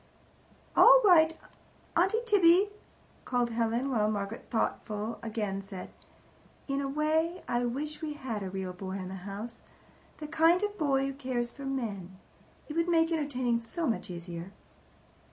"All right, Auntie Tibby," called Helen, while Margaret, thoughtful again, said: "In a way, I wish we had a real boy in the house the kind of boy who cares for men. It would make entertaining so much easier."